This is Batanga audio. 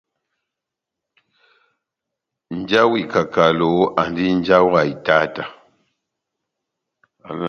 Nja wa ikakalo, andi nja wa itáta.